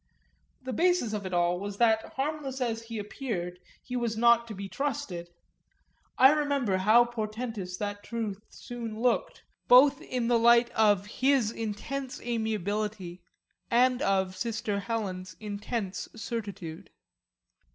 The basis of it all was that, harmless as he appeared, he was not to be trusted; I remember how portentous that truth soon looked, both in the light of his intense amiability and of sister Helen's absolute certitude.